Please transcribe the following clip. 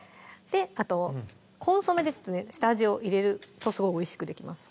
あとコンソメですね下味を入れるとおいしくできます